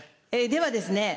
ではですね